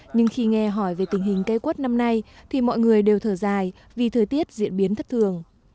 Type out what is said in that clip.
nhưng khi nghe hỏi về tình hình cây quất năm nay thì mọi người đều thở dài vì thời tiết diễn biến thất thường